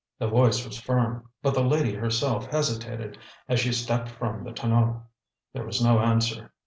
The voice was firm, but the lady herself hesitated as she stepped from the tonneau. There was no answer.